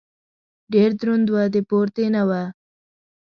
ډېر دروند و . د پورتې نه و.